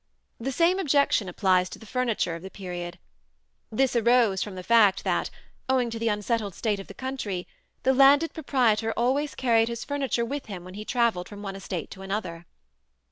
The same objection applies to the furniture of the period. This arose from the fact that, owing to the unsettled state of the country, the landed proprietor always carried his furniture with him when he travelled from one estate to another.